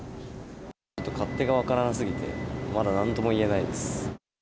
勝手がわからな過ぎて、まだなんとも言えないです。